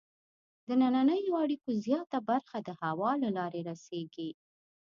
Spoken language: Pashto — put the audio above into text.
د دنننیو اړیکو زیاته برخه د هوا له لارې رسیږي.